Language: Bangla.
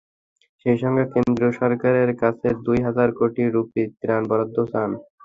সেই সঙ্গে কেন্দ্রীয় সরকারের কাছে দুই হাজার কোটি রুপি ত্রাণ বরাদ্দ চান।